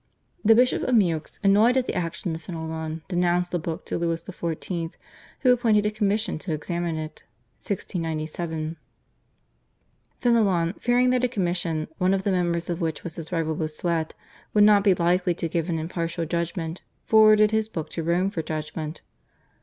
The Bishop of Meaux, annoyed at the action of Fenelon, denounced the book to Louis XIV., who appointed a commission to examine it (1697). Fenelon, fearing that a commission, one of the members of which was his rival Bossuet, would not be likely to give an impartial judgment, forwarded his book to Rome for judgment.